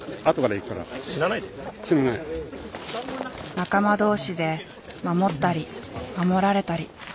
仲間同士で守ったり守られたり。